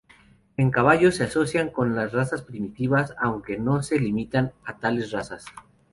En caballos, se asocian con razas primitivas, aunque no se limitan a tales razas.